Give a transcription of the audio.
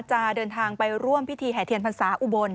จะเดินทางไปร่วมพิธีแห่เทียนพรรษาอุบล